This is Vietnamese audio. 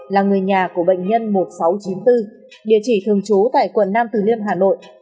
là người nhà của bệnh nhân một nghìn sáu trăm chín mươi bốn địa chỉ thường trú tại quận nam từ liêm hà nội